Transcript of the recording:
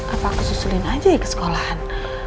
apa aku susurin aja ya ke sekolahan